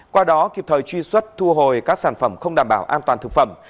qua đó kịp thời truy xuất thu hồi các sản phẩm không đảm bảo an toàn thực phẩm